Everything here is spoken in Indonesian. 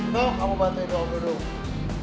tuh kamu bantuin kamu berdua